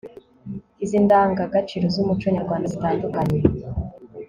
izindi ndangagaciro z'umuco nyarwanda zitandukanye